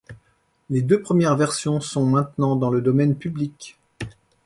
Les deux premières versions sont maintenant dans le domaine public.